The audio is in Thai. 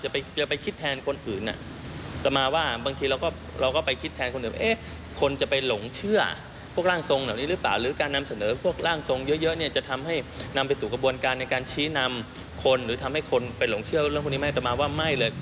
ไปหลงเชื่อว่าเรื่องคนนี้ไม่แต่มาว่าไม่เลย